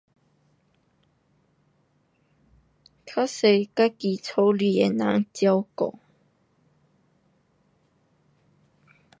较多自己家里的人照顾。